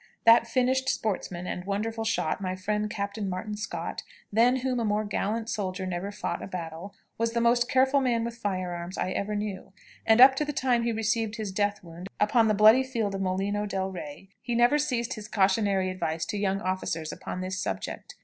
That finished sportsman and wonderful shot, my friend Captain Martin Scott, than whom a more gallant soldier never fought a battle, was the most careful man with fire arms I ever knew, and up to the time he received his death wound upon the bloody field of Molino del Rey he never ceased his cautionary advice to young officers upon this subject.